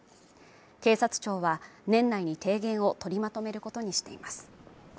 警察庁は年内に提言を取りまとめることにしています